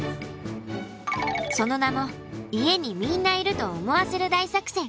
その名も家にみんないると思わせる大作戦。